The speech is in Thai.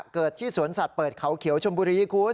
เกิดที่สวนสัตว์เปิดเขาเขียวชมบุรีคุณ